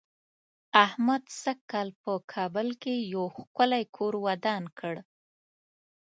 احمد سږ کال په کابل کې یو ښکلی کور ودان کړ.